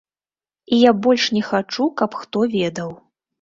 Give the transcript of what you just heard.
І я больш не хачу, каб хто ведаў.